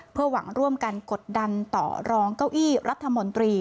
เพื่อหวังร่วมกันกดดันต่อรองเก้าอี้รัฐมนตรี